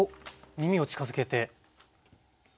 耳を近づけて。